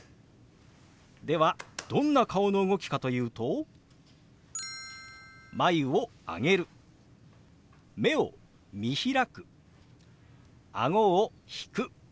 ではどんな顔の動きかというと眉を上げる目を見開くあごを引く。